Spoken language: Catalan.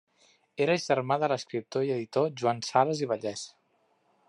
Era germà de l'escriptor i editor Joan Sales i Vallès.